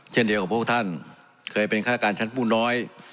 เช่นเดียวกับพวกท่านเคยเป็นฆาตการชั้นผู้น้อย